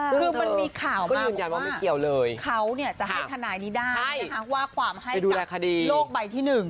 คือมันมีข่าวมาบอกว่าเขาเนี่ยจะให้ธนายนิด้าว่าความให้กับโลกใบที่หนึ่ง